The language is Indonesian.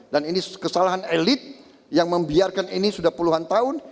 dan ini kesalahan elit yang membiarkan ini sudah puluhan tahun